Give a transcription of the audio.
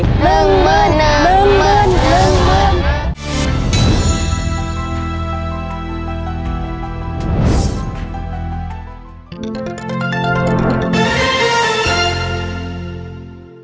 ๑หมื่น๑หมื่น๑หมื่น